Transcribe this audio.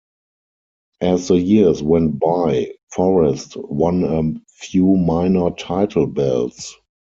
As the years went by Forrest won a few minor title belts.